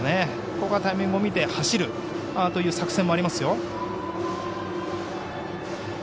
ここはタイミングを見て走るという作戦もありますよ。